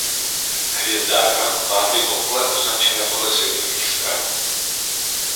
Hvězdárna má dvě kopule označené podle světových stran.